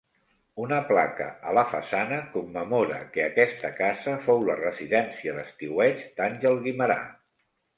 Una placa a la façana commemora que aquesta casa fou la residència d'estiueig d'Àngel Guimerà.